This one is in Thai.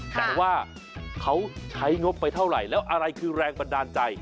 แต่ว่าเขาใช้งบไปเท่าไหร่แล้วอะไรคือแรงบันดาลใจ